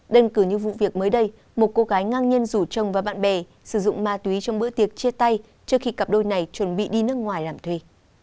đơn cử như vụ việc mới đây một cô gái ngang nhiên rủ chồng và bạn bè sử dụng ma túy trong bữa tiệc chia tay trước khi cặp đôi này chuẩn bị đi nước ngoài làm thuê